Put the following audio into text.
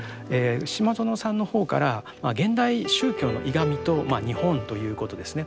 島薗さんの方から現代宗教の歪みと日本ということですね。